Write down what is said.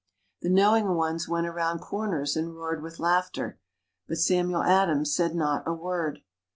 The knowing ones went around corners and roared with laughter, but Samuel Adams said not a word.